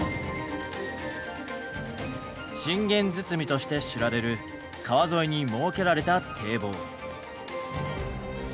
信玄堤として知られる川沿いに設けられた堤防。